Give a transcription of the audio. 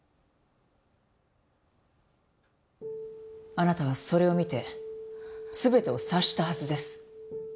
あなたはそれを見て全てを察したはずです。